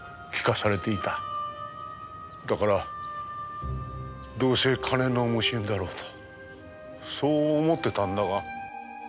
だからどうせ金の無心だろうとそう思ってたんだが。